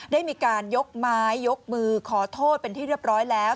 ได้มีการยกไม้ยกมือขอโทษเป็นที่เรียบร้อยแล้ว